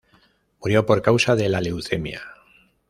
Murió por causa de la leucemia.